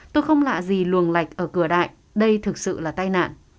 tôi không lạ gì luồng lạch ở cửa đại đây thực sự là tai nạn